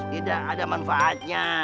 tidak ada manfaatnya